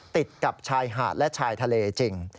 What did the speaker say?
ติดกับชายหาดและชายทะเลจริง